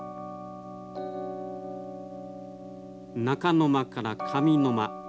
中の間から上の間。